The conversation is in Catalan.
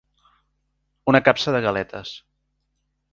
Una capsa de galetes.